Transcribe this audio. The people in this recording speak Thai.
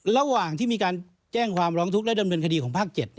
ระหว่างที่มีการแจ้งความร้องทุกข์และดำเนินคดีของภาค๗